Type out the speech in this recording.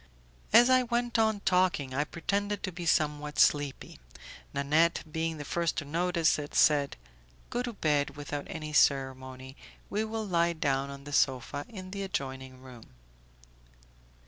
As I went on talking, I pretended to be somewhat sleepy; Nanette being the first to notice it, said, "Go to bed without any ceremony, we will lie down on the sofa in the adjoining room."